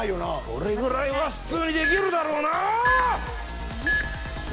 これぐらいは普通にできるだろうなあ？